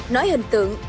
nói hình tượng